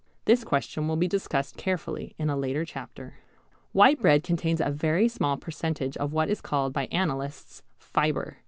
This question will be discussed carefully in a later chapter. White bread contains a very small percentage of what is called by analysts fibre.